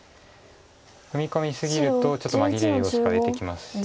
踏み込み過ぎるとちょっと紛れる要素が出てきますし。